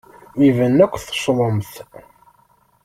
Iban akk teccḍemt.